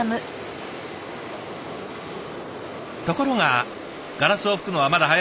ところが「ガラスを吹くのはまだ早い。